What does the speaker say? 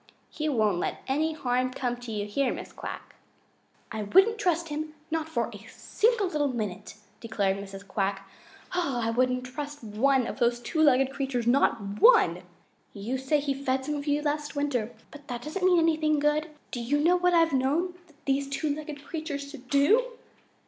He won't let any harm come to you here, Mrs. Quack." "I wouldn't trust him, not for one single little minute," declared Mrs. Quack. "I wouldn't trust one of those two legged creatures, not ONE. You say he fed some of you last winter, but that doesn't mean anything good. Do you know what I've known these two legged creatures to do?"